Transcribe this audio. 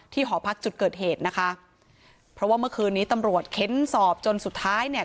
หอพักจุดเกิดเหตุนะคะเพราะว่าเมื่อคืนนี้ตำรวจเค้นสอบจนสุดท้ายเนี่ย